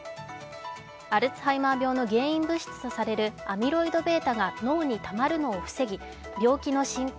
アルツハイマー病の原因物質とされるアミロイドβが脳にたまるのを防ぎ病気の進行